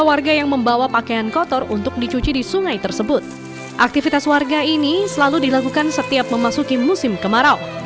aktivitas warga ini selalu dilakukan setiap memasuki musim kemarau